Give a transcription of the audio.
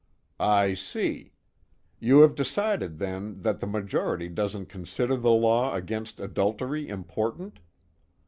"I see. You have decided then that the majority doesn't consider the law against adultery important?"